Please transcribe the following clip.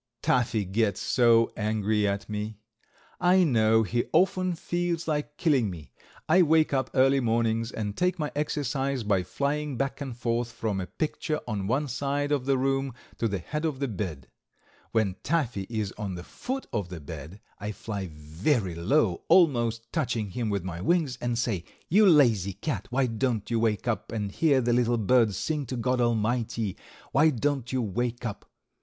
Taffy gets so angry at me. I know he often feels like killing me. I wake up early mornings, and take my exercise by flying back and forth from a picture on one side of the room to the head of the bed. When Taffy is on the foot of the bed I fly very low, almost touching him with my wings, and say, "You lazy cat, why don't you wake up and hear the little birds sing to God Almighty; why don't you wake up?"